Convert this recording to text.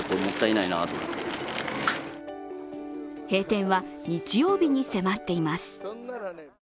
閉店は日曜日に迫っています。